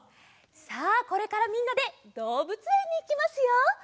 さあこれからみんなでどうぶつえんにいきますよ。